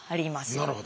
なるほど。